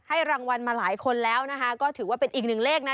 รางวัลมาหลายคนแล้วนะคะก็ถือว่าเป็นอีกหนึ่งเลขนะ